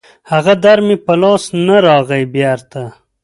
هغه در مې په لاس نه راغی بېړيه